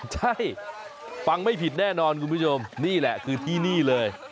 ใช่ฟังไม่ผิดแน่นอนคุณผู้ชมนี่แหละคือที่นี่เลย